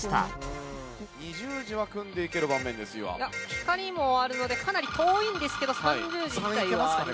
光もあるのでかなり遠いんですけど３十字いきたい。